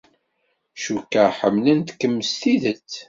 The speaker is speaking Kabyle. Cukkeɣ ḥemmlent-kem s tidet.